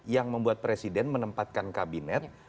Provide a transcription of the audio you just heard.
yang membuat presiden menempatkan kabinet